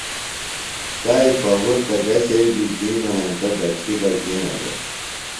تائی پہُرتہ گہ شئی بیۡ گِھینوۡ ہینتہ دڇھی بہ گِھینہ دےۡ۔